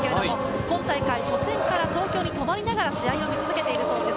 今大会、初戦から東京に泊まりながら試合を見続けているそうです。